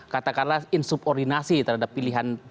katakanlah insubordinasi terhadap pilihan